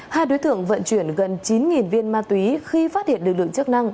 hai đối tượng vận chuyển gần chín viên ma túy khi phát hiện lực lượng chức năng